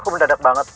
aku mendadak banget